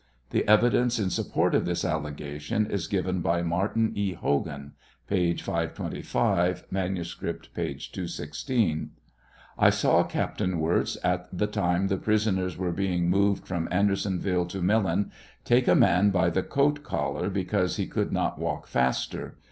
The evidence in support of th allegation is given by Martin E. Hogan, (p. 525 ; manuscript, p. 216 :) I saw Captain Wirz, at the time the prisoners were being moved from Andersonville Millen, take a man by the coat collar because he could not walk faster.